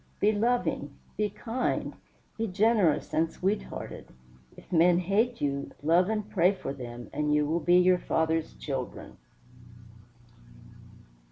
Be loving, be kind, be generous and sweet hearted; if men hate you, love and pray for them; and you will be your Father's children."